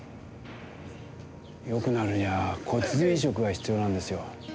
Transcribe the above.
よくなるには骨髄移植が必要なんですよ。